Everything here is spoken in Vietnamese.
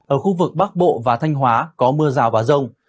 ở khu vực bắc bộ và thanh hóa có mưa rào và rông